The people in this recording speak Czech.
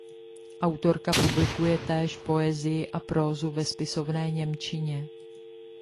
Autorka publikuje též poezii a prózu ve spisovné němčině.